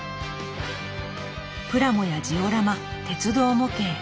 プラモやジオラマ鉄道模型。